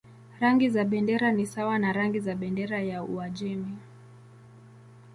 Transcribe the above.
Rangi za bendera ni sawa na rangi za bendera ya Uajemi.